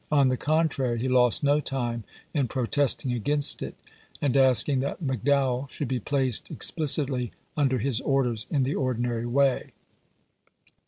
On the contrary, he lost no time in protesting against it, Vol. XL. and asking that McDowell should be placed ex p. .29. ■■ plicitly under his orders in the ordinary way.